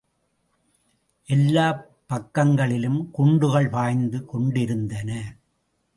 எல்லாப் பக்கங்களிலும் குண்டுகள் பாய்ந்து கொண்டிருந்தன.